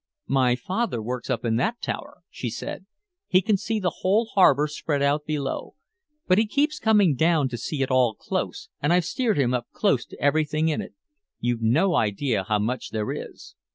"My father works up in that tower," she said. "He can see the whole harbor spread out below. But he keeps coming down to see it all close, and I've steered him up close to everything in it. You've no idea how much there is."